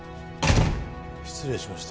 失礼しました。